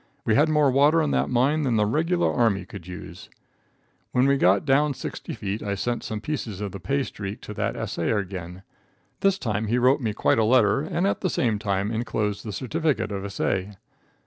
We had more water in that mine than the regular army could use. When we got down sixty feet I sent some pieces of the pay streak to the assayer again. This time he wrote me quite a letter, and at the same time inclosed the certificate of assay.